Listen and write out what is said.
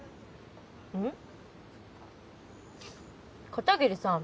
片桐さん。